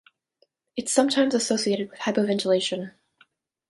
Its sometimes associated with hypoventilation.